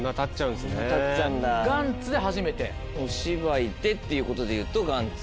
お芝居でっていうことでいうと『ＧＡＮＴＺ』。